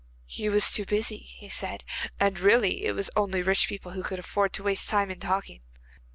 'He was too busy,' he said, 'and really it was only rich people who could afford to waste time in talking.